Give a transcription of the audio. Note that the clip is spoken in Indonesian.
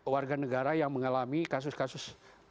warga negara yang mengalami kasus kasus